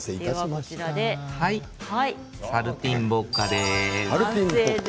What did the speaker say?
サルティンボッカです。